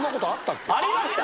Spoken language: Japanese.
ありました！